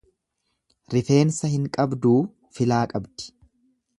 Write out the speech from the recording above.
Rifeensa hin qabduu filaa qabdi.